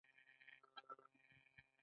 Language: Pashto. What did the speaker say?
د بادغیس په قادس کې د څه شي نښې دي؟